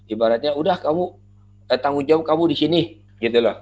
ibaratnya udah kamu tanggung jawab kamu disini gitu loh